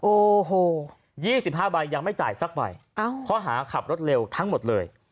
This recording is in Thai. โอ้โห๒๕ใบยังไม่จ่ายสักใบข้อหาขับรถเร็วทั้งหมดเลย